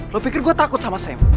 lo pikir gue takut sama sam